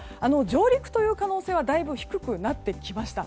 上陸の可能性はだいぶ低くなってきました。